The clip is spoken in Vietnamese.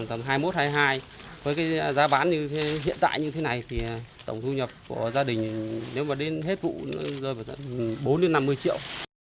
với giá bán hiện tại như thế này tổng thu nhập của gia đình nếu đến hết vụ rơi vào bốn năm mươi triệu